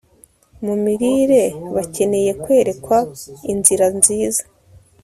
mu mirire Bakeneye kwerekwa inzira nziza